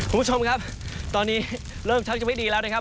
คุณผู้ชมครับตอนนี้เริ่มชักจะไม่ดีแล้วนะครับ